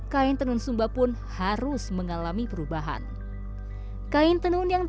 kami sudah mesti mengikuti zaman